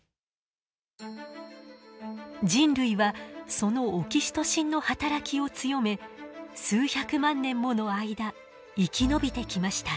人類はそのオキシトシンの働きを強め数百万年もの間生き延びてきました。